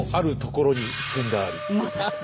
まさに。